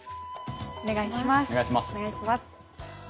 お願いします。